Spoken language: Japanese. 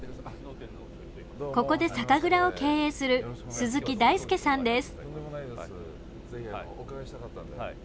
ここで酒蔵を経営する鈴木大介さんです。